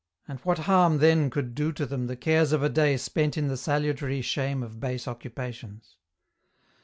And what harm then could do to them the cares of a day spent in the salutary shame of base occupations